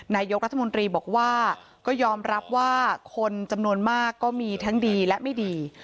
นายกรัฐมนตรีบอกว่าก็ยอมรับว่าคนจำนวนมากก็มีทั้งดีและไม่ดี